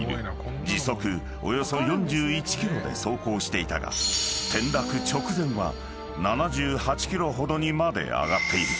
［時速およそ４１キロで走行していたが転落直前は７８キロほどにまで上がっている］